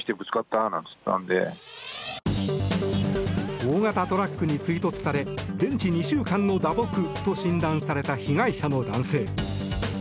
大型トラックに追突され全治２週間の打撲と診断された被害者の男性。